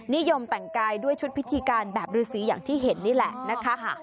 นิยมแต่งกายด้วยชุดพิธีการแบบฤษีอย่างที่เห็นนี่แหละนะคะ